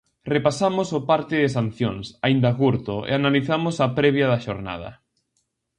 Repasamos o parte de sancións, aínda curto, e analizamos a previa da xornada.